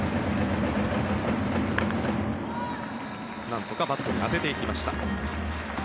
なんとかバットに当てていきました。